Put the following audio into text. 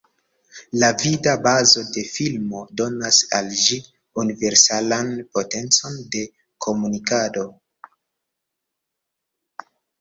La vida bazo de filmo donas al ĝi universalan potencon de komunikado.